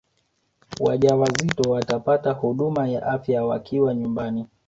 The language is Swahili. wajawazito watapata huduma ya afya wakiwa nyumbani